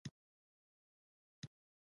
د بادامو ماتول په تیږه کیږي.